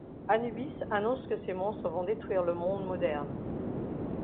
Anubis annonce que ses monstres vont détruire le monde moderne.